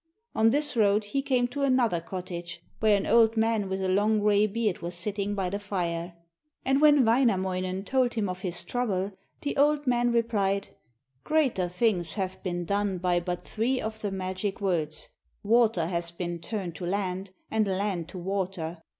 On this road he came to another cottage, where an old man with a long gray beard was sitting by the fire. And when Wainamoinen told him of his trouble, the old man replied, 'Greater things have been done by but three of the magic words; water has been turned to land, and land to water.'